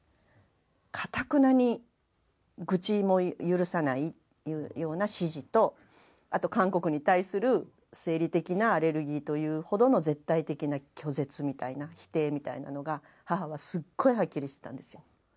かたくなに愚痴も許さないというような支持とあと韓国に対する生理的なアレルギーというほどの絶対的な拒絶みたいな否定みたいなのが母はすっごいはっきりしてたんですよ。